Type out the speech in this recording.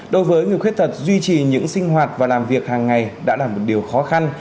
đối với người khuyết tật duy trì những sinh hoạt và làm việc hàng ngày đã là một điều khó khăn